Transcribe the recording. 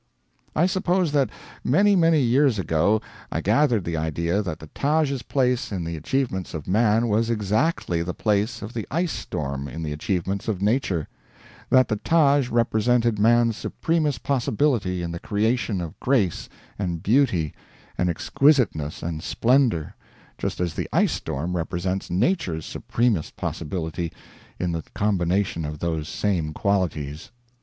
I suppose that many, many years ago I gathered the idea that the Taj's place in the achievements of man was exactly the place of the ice storm in the achievements of Nature; that the Taj represented man's supremest possibility in the creation of grace and beauty and exquisiteness and splendor, just as the ice storm represents Nature's supremest possibility in the combination of those same qualities.